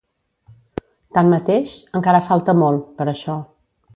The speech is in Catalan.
Tanmateix, encara falta molt, per això.